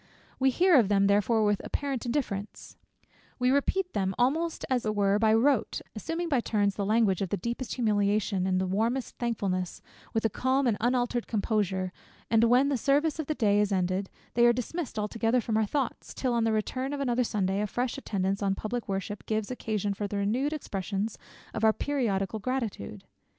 We hear of them therefore with apparent indifference; we repeat them almost as it were by rote, assuming by turns the language of the deepest humiliation and of the warmest thankfulness, with a calm unaltered composure; and when the service of the day is ended, they are dismissed altogether from our thoughts, till on the return of another Sunday, a fresh attendance on public worship gives occasion for the renewed expressions of our periodical gratitude.